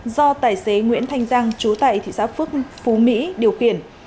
do tài xế nguyễn thanh giang trú tại thị xã phú mỹ điều kiển